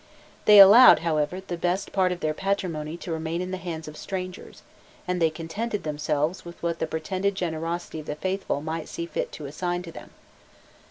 They allowed, however, the best part of their patrimony to remain in the hands of strangers, and they contented themselves with what the pretended generosity of the faithful might see fit to assign to them.